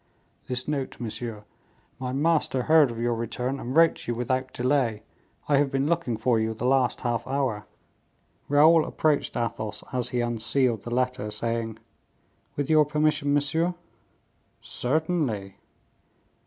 "This note, monsieur. My master heard of your return and wrote to you without delay; I have been looking for you for the last half hour." Raoul approached Athos as he unsealed the letter, saying, "With your permission, monsieur." "Certainly."